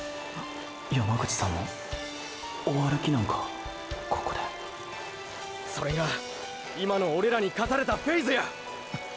山口さんも終わる気なんかここでそれが今のオレらに課されたフェイズや！！